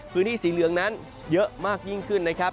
พื้นที่สีเหลืองนั้นเยอะมากยิ่งขึ้นนะครับ